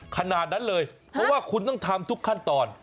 ขนาดนั้นเลยเพราะว่าคุณต้องทำทุกขั้นตอน